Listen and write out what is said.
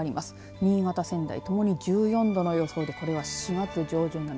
新潟、仙台ともに１４度の予想でこれは４月上旬並み。